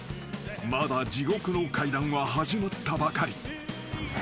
まだ地獄の階段は始まったばかり］